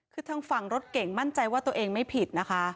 คือทางฝั่งรถเก่งมั่นใจว่าตัวเองไม่ผิดนะคะ